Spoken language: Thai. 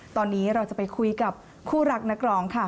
ตอนนี้เราจะไปคุยกับคู่รักนักร้องค่ะ